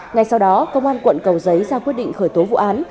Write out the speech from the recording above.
ngay sau đó công an quận cầu giấy ra quyết định khởi tố vụ án